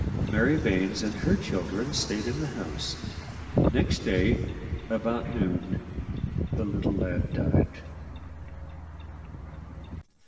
Mary Baines and her children stayed in the house. Next day, about noon, the little lad died.